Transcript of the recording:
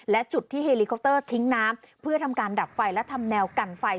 และจุดที่เฮลิคอปเตอร์ทิ้งน้ำเพื่อทำการดับไฟและทำแนวกันไฟ